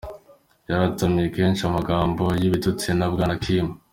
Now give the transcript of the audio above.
Yarateranye kenshi amajambo y'ibitusti na Bwana Kim.